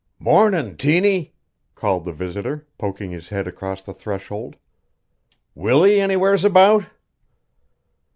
"Mornin', Tiny," called the visitor, poking his head across the threshold. "Willie anywheres about?"